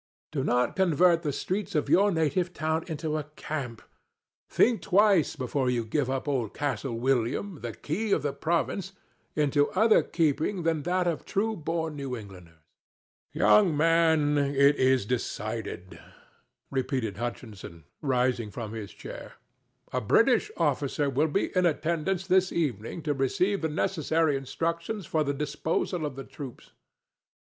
Do not convert the streets of your native town into a camp. Think twice before you give up old Castle William, the key of the province, into other keeping than that of true born New Englanders." "Young man, it is decided," repeated Hutchinson, rising from his chair. "A British officer will be in attendance this evening to receive the necessary instructions for the disposal of the troops.